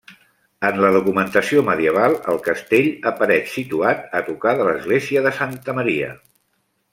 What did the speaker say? En la documentació medieval, el castell apareix situat a tocar de l'església de Santa Maria.